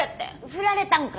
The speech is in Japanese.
振られたんか。